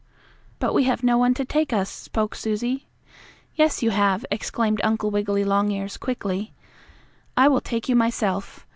"But we have no one to take us," spoke Susie. "Yes, you have!" exclaimed Uncle Wiggily Longears quickly. "I will take you myself.